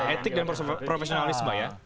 etik dan profesionalisme ya